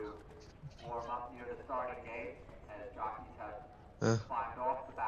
南北朝时代到室町时代屡屡发生的国一揆就是国人领主的结合。